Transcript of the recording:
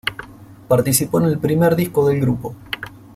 Participó en el primer disco del grupo.